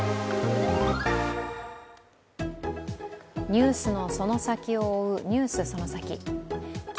ニュースのその先を追う「ＮＥＷＳそのサキ！」。